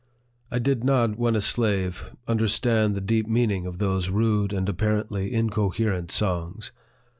I did not, when a slave, understand the deep mean ing of those rude and apparently incoherent songs.